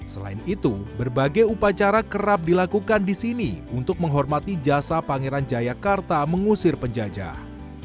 selain itu berbagai upacara kerap dilakukan di sini untuk menghormati jasa pangeran jayakarta mengusir penjajah